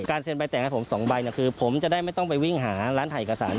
เซ็นใบแต่งให้ผม๒ใบคือผมจะได้ไม่ต้องไปวิ่งหาร้านถ่ายเอกสาร